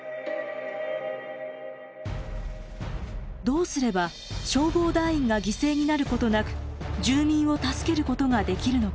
どうすれば消防団員が犠牲になることなく住民を助けることができるのか？